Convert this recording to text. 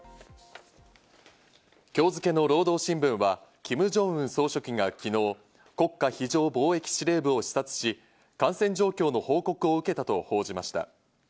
今日付の労働新聞はキム・ジョンウン総書記が昨日、国家非常防疫司令部を視察し、感染状況の報告を受けたと報じました。